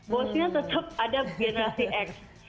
bosnya tetap ada generasi x